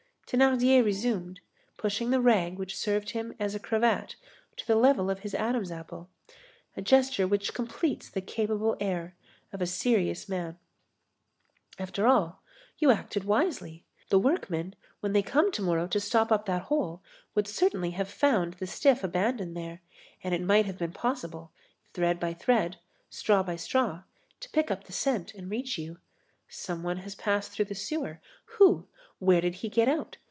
Thénardier resumed, pushing the rag which served him as a cravat to the level of his Adam's apple, a gesture which completes the capable air of a serious man: "After all, you acted wisely. The workmen, when they come to morrow to stop up that hole, would certainly have found the stiff abandoned there, and it might have been possible, thread by thread, straw by straw, to pick up the scent and reach you. Some one has passed through the sewer. Who? Where did he get out?